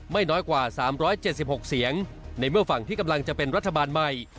ไม่น้อยกว่า๓๗๖เสียงในเมื่อฝั่งที่กำลังจะเป็นรัฐบาลใหม่